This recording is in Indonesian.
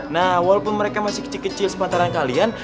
nah walaupun mereka masih kecil kecil sementara kalian